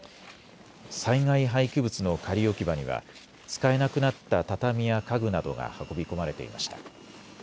災害廃棄物の仮置き場には使えなくなった畳や家具などが運び込まれていました。